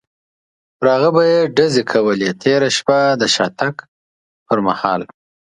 پر هغه به یې ډزې کولې، تېره شپه د شاتګ پر مهال.